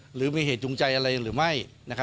หรือมีเหตุจูงใจอะไรหรือไม่